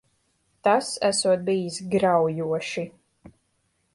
Tas esot bijis graujoši.